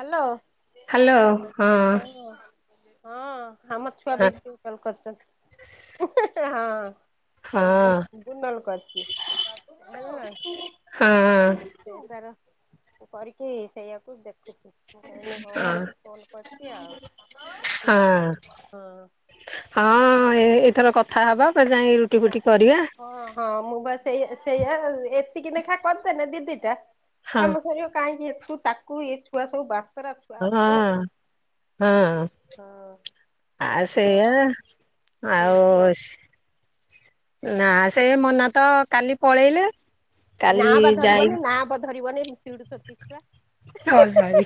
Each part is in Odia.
ହାଲୋ। ହଁ ଆମ ଛୁଆ ହଁ [unintelligible] କଲ୍ କାରିଚନ୍ତି ହଁ। ଏ ବୁ ହଁ ବୁ ନଲ କରିଚି। ହଁ ସେ ତାର କରିକି ସେଇଆକୁ ଦେଖ୍ ମୁଁ କହିନି ହଁ ମୁଁତ ଫୋନ କରିଚି ଆଉ ହଁ। ହଁ ଏ ଏଥର କଥା ହେବା ଫେର ଯାଇକି ରୁଟି ଫୁଟି କରିବା। ହଁ ହଁ ମୁଁ ବା ସେଇ ସେଇୟା ଏତିକି ନେଖା କରିଦେନେ ଦି ଦିଟା ହଁ ସମ [unintelligible] କାହିଁକି ତୁ ତାକୁ ଏ ଛୁଆ ସବୁ ବାତରା ଛୁଆ ହଁ ଅଛନ୍ତି। ହଁ ହଁ ଆ ହଁ ସେଇୟା। କୁହ। ଆଉ ନା ସେ ମନା ତ କାଲି ପଳେଇଲେ। ନା କାଲି ବା ଯାଇ ଧରିବନି ନା ବା ଧରିବନିି ଚିଡୁଚନ୍ତି ଛୁଆ। ସରି ସରି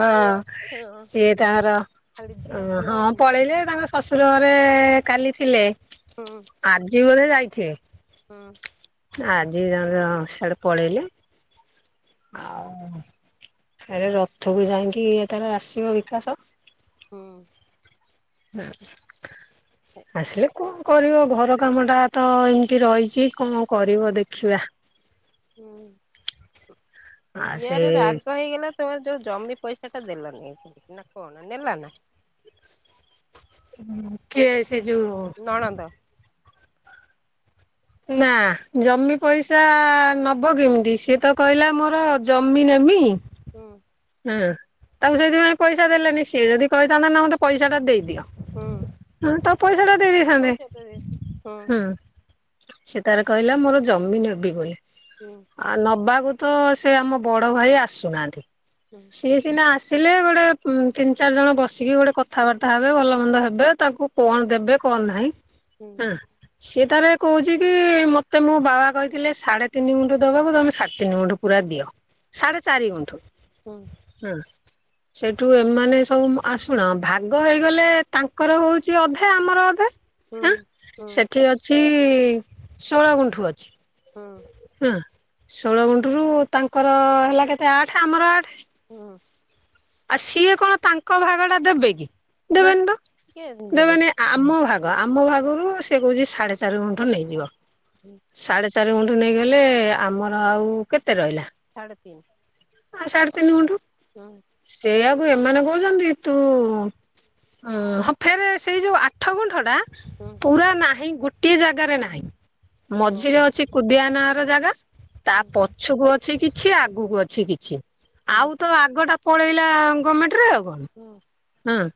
ହଁ। ହଁ ସିଏ ତାଙ୍କର ଖାଲି ଝିଅ ପୁଅ ଏମିତି ହଁ ପଳେଇଲେ ତାଙ୍କ ଶଶୁର ଘରେ କାଲି ଥିଲେ। ହୁଁ ଆଜି ବୋଧେ ଯାଇଥିବେ। ହୁଁ। ଆଜି [unintelligible] ସିଆଡେ ପଳେଇଲେ। ଆଉ ହେରେ ରଥକୁ ଯାଇକି ଇଏ ତାର ଆସିବ ବିକାଶ। ହୁଁ। ଆସିଲେ କଣ କରିବ ଘର କାମଟା ତ ଏମତି ରହିଚି କଣ କରିବ ଦେଖିବା। ହୁଁ ଆ ସେ ଇଆର ରାଗ ହେଇଗଲା ତମେ ଯୋଉ ଜମି ପଇସାଟା ଦେଲାନି ନା କଣ ନେଲା ନା? କିଏ ସେ ଯୋଉ ନଣନ୍ଦ ନା ଜମି ପଇସା ନବ କେମିତି ସିଏ ତ କହିଲା ମୋର ଜମି ନେମି। ହୁଁ। ହୁଁ ତାକୁ ସେଇଥିପାଇଁ ପଇସା ଦେଲେନି। ସିଏ ଯଦି କହିଥାନ୍ତା ନା ମୋତେ ପଇସା ଟା ଦେଇଦିଅ ହୁଁ ତାକୁ ପଇସାଟା ଦେଇ ଦେଇେ ପଇସା ତ ଦେ ହୁଁ ଦେଇଥାନ୍ତେ। ହୁଁ। ସେ ତାର କହିଲା ମୋର ଜମି ନେବି ବୋଲି। ହୁଁ। ଆ ନେବାକୁ ତ ସେ ଆମ ବଡ଼ ଭାଇ ଆସୁନାହାଁନ୍ତି। ହୁଁ। ସିଏ ସିନା ଆସିଲେ ଗୋଟେ ତିନି ଚାରିଜଣ ବସିକି ଗୋଟେ କଥାବାର୍ତ୍ତା ହେବେ ଭଲ ମନ୍ଦ ହେବେ ତାକୁ କଣ ଦେବେ କଣ ନାହିଁ। ହୁଁ ହଁ ସିଏ ତାରେ କହୁଚି କି ମୋତେ ମୋ ବାବା କହିଥିଲେ ସାଢ଼େ ତିନି ଗୁଣ୍ଠ ଦେବାକୁ ତମେ ସାଢ଼େ ତିନି ଗୁଣ୍ଠ ପୁରା ଦିଅ ସାଢ଼େ ଚାରି ଗୁଣ୍ଠୁ। ହୁଁ। ହୁଁ। ସେଇଠୁ ଏମାନେ ସବୁ ଆ ଶୁଣ ଭାଗ ହେଇଗଲେ ତାଙ୍କର ହଉଚି ଅଧେ ଆମର ଅଧେ। ହୁଁ ହଁ ହୁଁ ସେଠି ଅଛି ଷୋଳ ଗୁଣ୍ଠୁ ଅଛି। ହୁଁ। ହଁ ଷୋଳ ଗୁଣ୍ଠରୁ ତାଙ୍କର ହେଲା କେତେ ଆଠ ଆମର ଆଠ। ହଁ। ଆଉ ସିଏ କଣ ତାଙ୍କ ଭାଗ ଟା ଦେବେ କି? ନା ଦେବେନି ତ କିଏ ଦେବେ? ଦେବେନି ଆମ ଭାଗ ଆମ ଭାଗରୁ ସେ କହୁଛି ସାଢେ ଚାରି ଗୁଣ୍ଠ ନେଇଯିବ। ଉଁ, ସାଢ଼େ ଚାରି ଗୁଣ୍ଠ ନେଇଗଲେ ଆମର ଆଉ କେତେ ରହିଲା? ସାଢ଼େତିନ। ଆଉ ସାଢେ ତିନି ଗୁଣ୍ଠ। ହଁ। ସେଇଆକୁ ଏମାନେ କହୁଛନ୍ତି ତୁ ହଁ ଫେରେ ସେଇ ଯୋଉ ଆଠ ଗୁଣ୍ଠଟା ହୁଁ। ପୁରା ନାହିଁ ଗୋଟିଏ ଜାଗାରେ ନାହିଁ, ଓ ମଝିରେ ଅଛି, କୁଦିଆ ନାର ଜାଗା। ତା ହୁଁ ପଛକୁ ଅଛି କିଛି ଆଗକୁ ଅଛି କିଛି। ହୁଁ ଆଉ ତ ଆଗଟା ପଳେଇଲା ଗମେଣ୍ଟରେ ଆଉ କଣ, ହୁଁ ହଁ।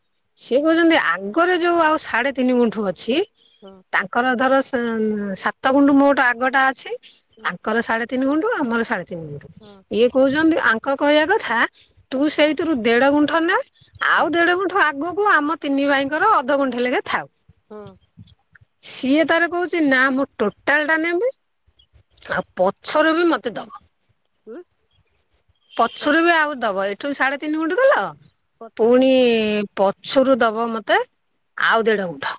ସିଏ କହୁଛନ୍ତି ଆଗରେ ଯୋଉ ଆଉ ସାଢେ ତିନି ଗୁଣ୍ଠୁ ଅଛି ହଁ। ତାଙ୍କର ଧର ସେ ଉଁ, ସାତ ଗୁଣ୍ଠୁ ମୋଟ ଆଗଟା ଅଛି। ହଁ। ତାଙ୍କର ସାଢେ ତିନି ଗୁଣ୍ଠୁ, ଆମର ସାଢ଼େ ତିନି ଗୁଣ୍ଠୁ। ହଁ। ଇଏ କହୁଛନ୍ତି ଆଙ୍କ କହିବା କଥା ତୁ ସେଇଥିରୁ ଦେଢ଼ ଗୁଣ୍ଠ ନେ। ହୁଁ ଆଉ ଦେଢ ଗୁଣ୍ଠ ଆଗକୁ ଆମ ତିନି ଭାଇଙ୍କର ଅଧ ଗୁଣ୍ଠେ ଲେଖେ ଥାଉ। ହଁ। ସିଏ ତାର କହୁଛି ନା ମୁଁ ଟୋଟାଲ ଟା ନେବି। ଆଉ ପଛର ବି ମୋତେ ଦବ। ଉଁ, ପଛରୁ ବି ଆଉ ଦବ ଏଠୁ ସାଢେ ତିନି ଗୁଣ୍ଠୁ ଦେଲ, ପଛରେ ପୁଣି ଗୁଣ୍ଟେ ପ ଛୁରୁ ଦବ ମୋତେ ଆଉ ଦେଢ ଗୁଣ୍ଠ।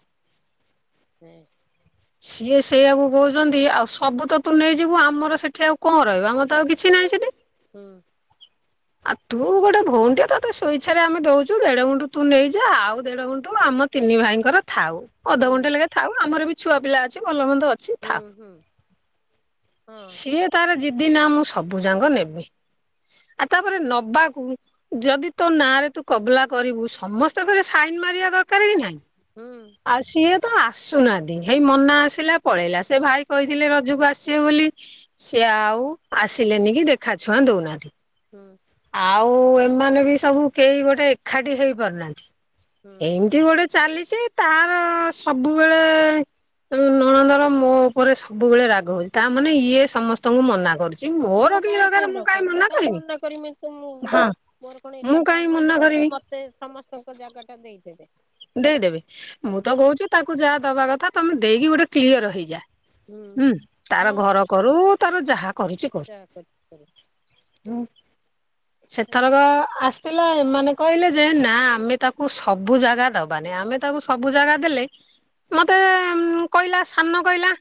ନେ। ସିଏ ସେଇଆକୁ କହୁଛନ୍ତି ଆଉ ସବୁ ତ ତୁ ନେଇଯିବୁ ଆମର ସେଠି ଆଉ କଣ ରହିବ ଆମର ତ ଆଉ କିଛି ନାହିଁ ସେଠି। ହୁଁ। ଆଉ ତୁ ଗୋଟେ ଭଉଣୀ ଟେ ତୋତେ ସ୍ୱଇଚ୍ଛାରେ ଆମେ ଦଉଚୁ, ଦେଢ ଗୁଣ୍ଠୁ ତୁ ନେଇଯା, ଆଉ ଦେଢ ଗୁଣ୍ଠୁ ଆମ ତିନି ଭାଇଙ୍କର ଥାଉ ଅଧ ହୁଁ ଗୁଣ୍ଠେ ଲେଖେ ଥାଉ ଆମର ବି ଛୁଆ ପିଲା ଅଛି, ଭଲ ମନ୍ଦ ଅ ହୁଁ, ହୁଁ, ହଁ। ଇଏ ତାର ଜିଦି ନା ମୁଁ ସବୁ ଯାଙ୍କ ନେବି। ଆ, ତାପରେ ନବାକୁ ଯଦି ତୋ ନାଁରେ ତୁ କବଲା କରିବୁ ସମସ୍ତେ ଫେରେ ସାଇନ୍ ମାରିବା ଦରକାର କି ନାହିଁ। ହୁଁ। ଆଉ ସିଏ ତ ଆସୁନାହାନ୍ତି, ହେଇ ମନା ଆସିଲା ପଳେଇଲା, ସେ ଭାଇ କହିଥିଲେ ରଜକୁ ଆସିବେ ବୋଲି ସିଏ ଆଉ ଆସିଲେନି କି ଦେଖାଛୁଆଁ ଦଉନାହାନ୍ତି। ହୁଁ। ଆଉ ଏମାନେ ବି ସବୁ କେହି ଗୋଟେ ଏକାଠି ହୁଁ ହେଇପାରୁନାହାନ୍ତି। ଏମିତି ଗୋଟେ ଚାଲିଚି, ତାର ସବୁବେଳେ [unintelligible] ନଣନ୍ଦର ମୋ ଉପରେ ସବୁବେଳେ ରାଗ ହଉଛି ତା ମାନେ ଇଏ ସମସ୍ତଙ୍କୁ ମନା କରୁ ଚି ମୁଁ ମୋର କି ଯେ କାହିଁ କାହିଁ ଦରକାର ମୁଁ ଡକାଏ କାଇଁ ମନା କାହିଁ କରିମି। କରିମି ତୁ ମୁଁ ମୋର କଣ ମୁଁ ଏକାଟିଆ କାହିଁ ମନା ନେଇଯିବି ନା କରିବି ମତେ ସମସ୍ତେ ତାଙ୍କ ଜାଗାଟା ଦେଇଦେବେ ଦେଇଦେବେ ହୁଁ ମୁଁ ତ କହୁଛିି ତାକୁ ଯାହା ଦବା କଥା ତମେ ଦେଇକି ଗୋଟେ କ୍ଲିୟର ହେଇଯାଅ ହୁଁ ତାର ହଁ ଘର କରୁ ତାର ଯାହା କରୁଛି କରୁ ଯା କରିବୁ କରିବୁ ନାଇଁ ସେଥରକ ଆସି ହେଲା ଏମାନେ କହିଲେ ଯେ ନା ଆମେ ତାକୁ ସବୁ ଜାଗା ଦବାନି ଆମେ ତାକୁ ସବୁ ଜାଗା ଦେଲେ ମତେ ଉ କହିଲା ସାନ କହିଲା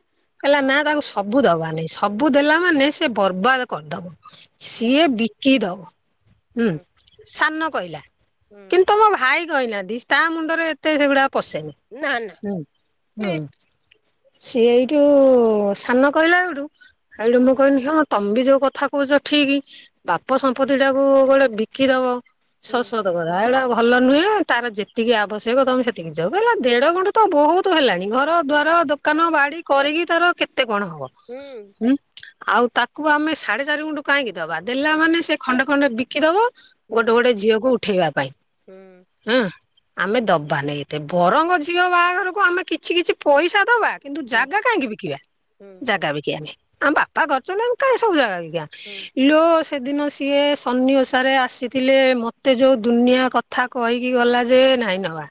କହିଲା ନା ତାଙ୍କୁ ସବୁ ଦବାନି ସବୁ ଦେଲା ମାନେ ସେ ବର୍ବାଦ କରିଦବ ହୁଁ ସିଏ ବିକି ଦବ ହୁଁ ସାନ କହିଲା କିନ୍ତୁ ହୁଁ ତମ ଭାଇ କହିନାହାନ୍ତି ତା ମୁଣ୍ଡରେ ଏତେ ସେଗୁଡା ପସେନି ନା ନା ହୁ ଛି ହୁ ସେଇଠୁ ସାନ କହିଲା ହେଇଠୁ ହେଇଠୁ ମୁଁ କହିଲି ହଁ ତମେ ବି ଯୋଉ କଥା କହୁଛ ଠିକି ବାପ ସମ୍ପତି ଟାକୁ ଗୋଟେ ବିକି ଦବ ହୁଁ ଶ୍ୱଶୁର କଥା ଏଇଟା ଭଲ ନୁହେଁ ତାର ଯେତେ ଯେତିକି ଆବଶ୍ୟକ ତମେ ସେତିକି ଯାଅ କହିଲା ଦେଢ ଗୁଣ୍ଠୁତ ବହୁତ ହେଲାଣି ଘର ଦ୍ୱାର ଆଁ ଦୋକାନ ବାଡ଼ି କରିକି ତାର କେତେ କଣ ହବ ହୁଁ ହୁଁ ଆଉ ତାକୁ ଆମେ ସାଢେ ଚାରି ଗୁଣ୍ଠୁ କାହିଁକି ଦବା ଦେଲା ହୁଁ ମାନେ ସେ ଖଣ୍ଡେ ଖଣ୍ଡେ ବିକି ଦବ ହୁଁ ଗୋଟେ ଗୋଟେ ଝିଅକୁ ଉଠେଇବା ପାଇଁ ହୁଁ ହଁ ଆମେ ଦବା ନାଇ ଏତେ ବରଙ୍ଗ ଝିଅ ବାହାଘରକୁ ଆମେ କିଛି କିଛି ପଇସା ଦବା କିନ୍ତୁ ହୁଁ ଜାଗା କାହିଁକି ବିକିବା ହୁଁ ଜାଗା ବିକିବାନି ଆମ ବାପା କରିଛନ୍ତି ଆମ କାହିଁ ସବୁ ଜାଗା ବିକିବା ହୁଁ ଲୋ ସେଦିନ ସିଏ ସନି ଓଷାରେ ଆସିଥିଲେ ମତେ ଯୋଉ ଦୁନିଆ କଥା କହିକି ଗଲା ଯେ ନାଇଁ ନବା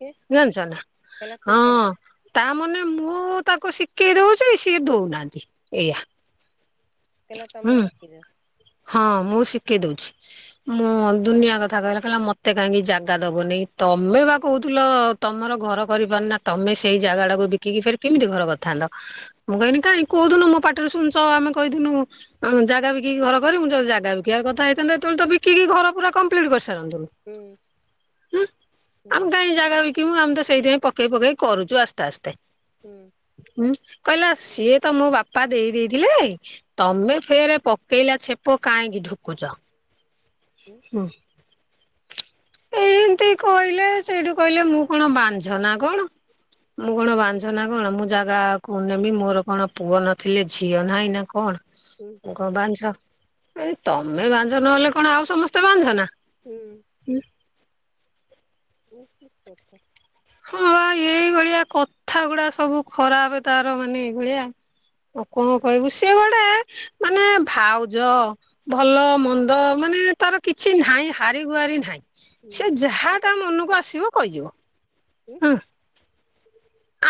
କିଏ ଜାଣିଛ ନା କହିଲା ତୁ ହଁ ମତେ ତାମନୋ ମୁଁ ତାକୁ ଶିଖେଇ ଦଉଛି ସିଏ ଦଉନାହାନ୍ତି ଏଇଆ ଥିଲା ହୁଁ ତମେ ସିଖିଯାଓ ହଁ ମୁଁ ଶିଖେଇ ଦଉଛି ମୁଁ ଦୁନିଆ କଥା କହିଲା କହିଲା ମତେ କାହିଁକି ଜାଗା ଦବନି ତମେ ବା କହୁଥିଲ ତମର ଘର କରିପାରୁ ନା ତମେ ସେଇ ଜାଗା ଟାକୁ ବିକିକି ଫେର୍ କେମିତି ଘର କରିଥାନ୍ତ ମୁଁ କହିଁନି କାଇ କଉଦିନୁ ମୋ ପାଟିରେ ଶୁଣିଛ ଆମେ କହିଦିନୁ ହଁ ଜାଗା ବିକି କି ଘର କରିିବୁ ମୁଁ ଯଦ ଜାଗା ବିକିବାର କଥା ହେଇଥାନ୍ତା ଏତବେଳେ ତ ବିକିକି ଘର ପୁରା କମ୍ପ୍ଲିଟ କରିସାରନ୍ତୁନୁ ହୁଁ ହୁଁ ଆମ କାହିଁ ଜାଗା ବିକିବୁ ଆମେ ତ ସେଇଥିପାଇଁ ପକେଇ ପକେଇ କରୁଛୁ ଆସ୍ତେ ଆସ୍ତେ ହୁଁ ହୁଁ କହିଲା ସିଏ ତ ମୋ ବାପା ଦେଇ ଦେଇଥିଲେ ହୁଁ ତମେ ଫେରେ ପକେଇଲା ଛେପ କାହିଁକି ଢୁକୁଛ ହୁ ଏ ଏମିତି କହିଲେ ସେଇଠୁ କହିଲେ ମୁଁ କଣ ବାଞ୍ଝ ନା କଣ ମୁଁ କଣ ବାଞଛ ନା କଣ ମୁଁ ଜାଗା କ ନେବି ମୋର କଣ ପୁଅ ନଥିଲେ ଝିଅ ନାହିଁ ନା କଣ ହୁଁ କ ବାଞ୍ଝ ଏ ତମେ ବାଞ୍ଝ ନହେଲେ କଣ ଆଉ ସମସ୍ତେ ବାନ୍ଛ ନା ହୁଁ ହୁଁ ଏ ଠିକ କରଛ ହଁ ବା ଏଇଭଳିଆ କଥା ଗୁଡା ସବୁ ଖରାପ ତାର ମାନେ ଏଇଭଳିଆ ଆଉ କଣ କହିବୁ, ସିଏ ଗୋଟେ ମାନେ ଭାଉଜ ଭଲ ମନ୍ଦ ମାନେ, ତାର କିଛି ନାହିଁ, ହାରି ଗୁହାରି ନାହିଁ। ହୁଁ ସେ ଯାହା ତା ମନକୁ ଆସିବ, କହିଯିବ, ଉଁ ହୁଁ।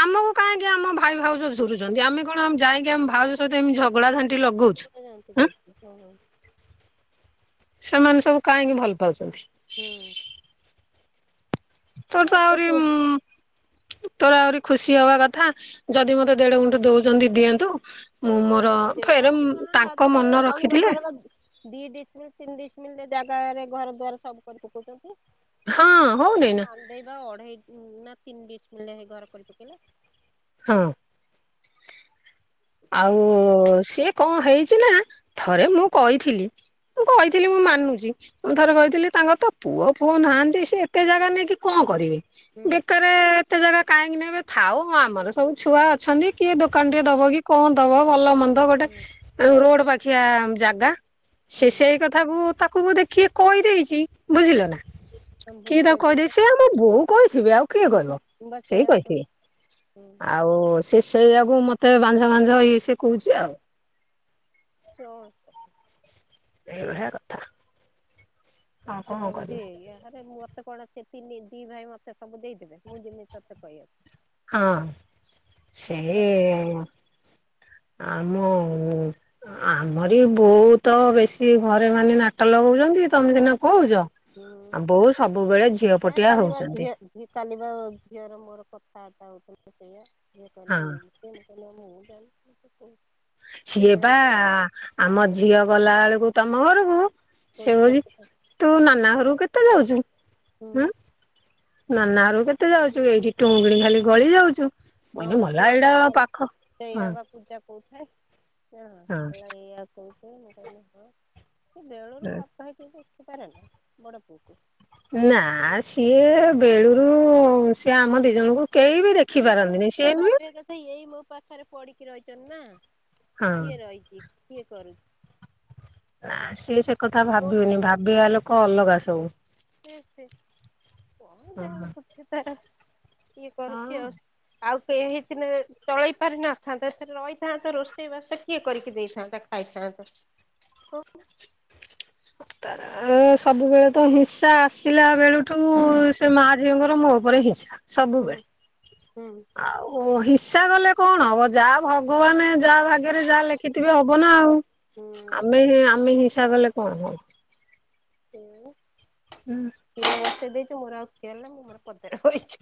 ଆମକୁ କାହିଁକି ଆମ ଭାଇ ଭାଉଜ ଝୁରୁଚନ୍ତି, ଆମେ କଣ ଯାଇକି ଆମ ଭାଉଜ ସହିତ ଏମିତି ଝଗଡ଼ା ଝାନ [unintelligible] କରୁଛି, ହ ହଁ। ସେମାନେ ସବୁ କାହିଁକି ଭଲ ପାଉଚନ୍ତି? ହୁଁ। ତୋର ତ ଆଉରି ହୁଁ। ଉମ୍ ତୋର ଆହୁରି ଖୁସି ହବା କଥା, ଯଦି ମତେ ଦେଢ ଗୁଣ୍ଠ ଦଉଚନ୍ତି ଦିଅନ୍ତୁ, ମୁଁ ମୋ ର, ଦେଢ ଫେର ଗୁଣ୍ଠୁ ହେଲାଣି ତାଙ୍କ ଆଜିକାଲି ମନ ଟାଉନ ରଖିଥିଲେ ବଜାର ବା ଦି ଡିସମିଲ, ତିନି ଡିସମିଲ ଜାଗାରେ, ଘର ଦ୍ୱାର ସବୁ କରି ପକଉଚନ୍ତି। ହଁ, ହଉନେଇନା? ଦେଇବା, ଅଢେଇ ନା ତିନି ଡ଼ିସିମିଲରେ ହେଇ ଘର କରି ପକେଇଲା। ହଁ। ଆଉ ସିଏ କଣ ହେଇଛି ନା, ଥରେ ମୁଁ କଇଥିଲି ମୁଁ କହିଥିଲି, ମୁଁ ମାନୁଚି। ମୁଁ ଥରେ କହିଥିଲି, ତାଙ୍କର ତ ପୁଅ ଫୁଅ ନାହାନ୍ତି, ସେ ଏତେ ଜାଗା ନେଇକି କଣ କରିବେ? ହୁଁ ବେକାରେ ଏତେ ଜାଗା କାହିଁକି ନେବେ, ଥାଉ ଆମର ସବୁ ଛୁଆ ଅଛନ୍ତି। କିଏ ଦୋକାନ ହୁଁ ଟେ ଦବ କି, କଣ ଦବ, ଭଲ ମନ୍ଦ ଗୋଟେ ହୁଁ ରୋଡ ପାଖିଆ ଜାଗା? ସେ ହୁଁ ସେଇ କଥାକୁ, ତାକୁ ବୋଧେ କିଏ କହିଦେଇଚି, ବୁଝିଲ ନା? ତମ ବୁଢୀ କିଏ ତ କହିଦେଇ, କହିଦେଇଥିବ ସ ମୋ ବୋଉ କହିଥିବେ ଆଉ କିଏ ହୁଁ ହୁଁ କହିବ? ମୁଁ ବା ସେଇ ସେଇଆ କହୁଚି। କହିଥିବେ, ଆଉ ଆଉ ସେ ସେଇଆକୁ ମତେ, ବାଂଝ ବାଂଝ, ଇଏ ସିଏ କହୁଛି ଆଉ। ସିଓର୍ ଏଇଭଳି଼ିଆ କଥା। ଆଉ ମୁଁ କଣ ଭାବୁଛି କରିବୁ ଏଇଆ। ଆରେ ମୁଁ ଭାବ- ତେ କଣ ସେ ତିନି ଦି ଭାଇ ମତେ ସବୁ ଦେଇଦେବେ, ମୁଁ ଯିମି ତତେ କହିଆକୁ? ହଁ। ସେଇ ଆମ ଆମରି ବୋଉ ତ, ବେଶୀ ଘରେ ମାନେ ନାଟ ଲଗଉଚନ୍ତି। ତମେ ସିନା କଉଚ? ହୁଁ ଆମ ବୋଉ ସବୁବେଳେ ଝିଅ ପଟିଆ ହଉଚନ୍ତି। ଏ କାଲିବା ଝିଅର ମୋର କଥାବାର୍ତ୍ତା ହଉଥିଲା ସେଇଆ। ଝିଅ ହଁ କହିଲା ଏମିତି- କହିଲା ମୁଁ ଜାଣିଚି, ତୁ କହୁ ସିଏ ପା, ଆମ ଝିଅ ଗଲାଏଳକୁ ତମ ଘରକୁ ସେ କଉଚି, ତୁ ନାନା ଘରୁ କେତ- କେତେ ଯାଉଚୁ? ହାଁ, ନାନା ଘରକୁ କେତେ ଯାଉଚୁ? ଏଇଠି ଟୁଙ୍ଗ କିଣି ଖାଲି ଗଳି ଯାଉଚୁ। ମୁଁ କହିଲି ବା ମଲା, ସେଇ ଏଇଟା କଥା ପାଖ- ହଁ। ପୂଜା କହୁଥାଏ ନାଁ ହଁ ଏଇଆ କହୁଛୁ? ମୁଁ କହିଲି ହଁ। ସେ ବେଳରୁ ଭାବ- ମା ହେଇକି ଦେଖିପାରେ ନା, ବଡ଼ ପୁଅକୁ? ନା ସିଏ ବେଳୁରୁ ସିଏ ଆମ ଦି ଜଣଙ୍କୁ, କେହି ବି- ଦେଖି ପାରନ୍ତିନି। ସିଏ ନୁହୁଁ ନାଇଁ ଏଇ ମୋ ପାଖରେ ପଡିକି ରହିଛନ୍ତି ନା? ହଁ କିଏ ରହିଛି? କିଏ କରୁଚି? ଆ ସିଏ ସେ କଥା କଣ ଭାବିବେନି। ଭାବିବା ଲୋକ ଅଲଗା ସବୁ। ସେ ସେ, କଣ ଯାହା ହଁ। ବୁଝିପାର। କିଏ କରୁଛି ହଁ ଆଉ? ଆଉ କେହି ହେଇ ଥିଲେ ଚଳେଇ ପାରି ନଥାନ୍ତେ। ଫେରେ ରହିଥାନ୍ତା। ରୋଷେଇ ବାସ କିଏ କରିକି ଦେଇଥାନ୍ତା? ଆଇଥାନ୍ତୁ। କହୁନ? ତାର ସବୁବେଳେ ତ ହିଂସା। ଆସିଲା ବେଳୁଠଉ ସେ ମା ଝିଅଙ୍କର ମୋ ଉପରେ ହିଂସା। ହୁଁ ସବୁବେଳେ। ହୁଁ। ଆଉ ହିଂସା ଗଲେ କଣ ହବ ଯା ଭଗବାନ ଯା ଭାଗ୍ୟରେ ଯା ଲେଖିଥିବେ ହବ ନା ଆଉ। ଆମେହେଁ ଆମେ ହିଂସା କଲେ କଣ ହବ? ସେଇଆ ବା। ହୁଁ। ଖିର ବସେଇ ଦେଇଚି ମୋର ଆଉ ଖିଆଲ ନାହିଁ। ମୁଁ ମୋର ପଦାରେ ବଇଚି।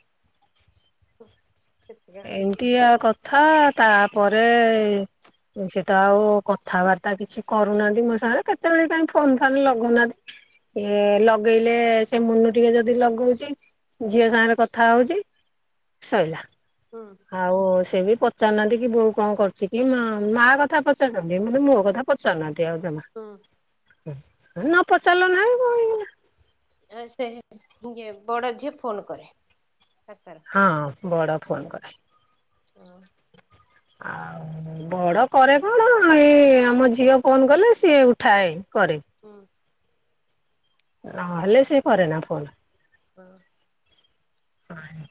ଏମିତିଆ କଥା ତାପରେ ସେ ତ ଆଉ କଥାବାର୍ତ୍ତା କିଛି କରୁନାହାଁନ୍ତି ମୋ ସାଙ୍ଗରେ। କେତେବେଳେ କାଇଁ ଫୋନ ଫାନ୍ ଲଗଉନାହାଁନ୍ତି। ଏ ଲଗେଇଲେ ସେ ମୁନୁ ଟିକେ ଯଦି ଲଗଉଛି ଝିଅ ସାଙ୍ଗରେ କଥା ହଉଛି ସଇଲା। ହୁଁ। ଆଉ ସେ ବି ପଚାରୁ ନାହାଁନ୍ତି କି ବୋଉ କଣ କରୁଛି କି ମା ମା କଥା ପଚାରୁନ୍ତି କିନ୍ତୁ ମୋ କଥା ପ ଚାରୁ ନାହାଁନ୍ତି ଆଉ ଯମା। ହୁଁ। ହୁଁ ନ ପଚାରିଲ ନାହିଁ କଣ ହେଇଗଲା। ଏ ସେ ଇଏ ବଡ ଝିଅ ଫୋନ୍ କରେ ଦଶଥର। ହଁ ବଡ଼ ଫୋନ୍ କରେ। ଆଉ? ଆଉ- ବଡ କରେ କଣ ଏଇ ଆମ ଝିଅ ଫୋନ କଲେ ସିଏ ଉଠାଏ କରେ। ହୁଁ। ନ ହେଲେ ସିଏ କରେନା ଫୋନ୍। ଆଉ। ପାଣି।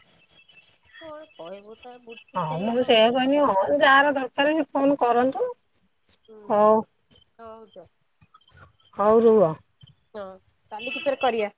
କଣ କହିବୁତ ବୁ ହଁ ମୁଁ ସେଇୟା କହନି ହଁ ଯାହାର ଦରକାରେ ସେ ଫୋନ କରନ୍ତୁ। ହୁଁ ହଉ ହଉଦ ହଉ ରୁହ। ହଁ କାଲିକି ଫେରେ କରିବା।